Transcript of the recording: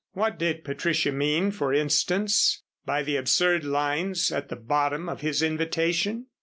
What did Patricia mean, for instance, by the absurd lines at the bottom of his invitation?